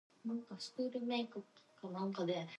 These locomotives are designed for mixed traffic operation.